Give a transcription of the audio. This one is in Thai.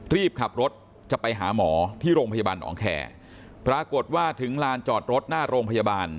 รีบขับรถจะไปหาหมอที่โรงพยาบาลหนองแคร์ปรากฏว่าถึงลานจอดรถหน้าโรงพยาบาล